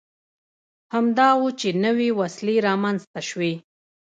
همدا و چې نوې وسیلې رامنځته شوې.